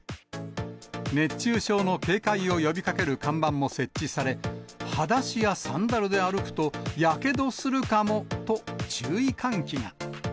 熱中症の警戒を呼びかける看板も設置され、はだしやサンダルで歩くと、やけどするかもと、注意喚起が。